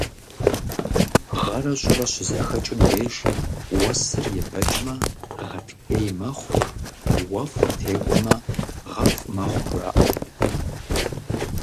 Гъэрэ щӀырэ щызэхэкӀым деж уэсыр ебэкӀмэ гъатхей мэхъу, уэфӀыр текӀуэмэ гъэфӀ мэхъу, жаӀэрт.